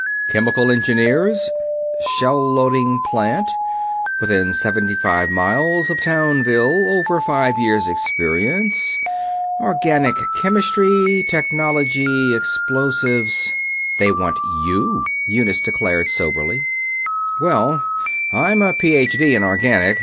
"CHEMICAL ENGINEERS ... shell loading plant ... within seventy five miles of Townville ... over five years experience ... organic chemistry ... technology ... explosives...." "They want you," Eunice declared, soberly. "Well, I'm a Ph.D. in Organic.